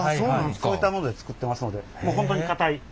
そういったもので作ってますのでもう本当に硬い。